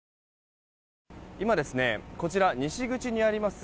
今、こちら西口にあります